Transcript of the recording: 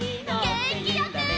げんきよく！